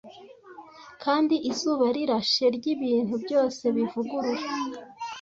Kandi izuba rirashe ryibintu byose bivugurura;